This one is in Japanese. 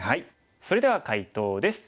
それでは解答です。